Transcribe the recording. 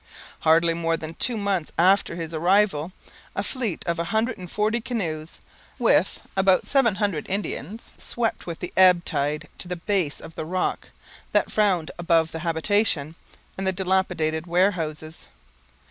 Hardly more than two months after his arrival, a fleet of a hundred and forty canoes, with about seven hundred Indians, swept with the ebb tide to the base of the rock that frowned above the habitation and the dilapidated warehouses.